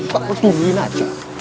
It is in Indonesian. gak boleh tungguin aja